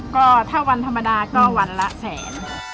ก็ถ้าวันธรรมดาก็วันละแสน